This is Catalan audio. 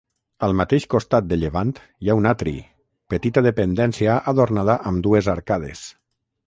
Al mateix costat de llevant hi ha un atri, petita dependència adornada amb dues arcades.